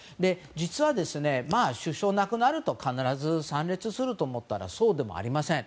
実は、首相が亡くなると必ず参列すると思ったらそうでもありません。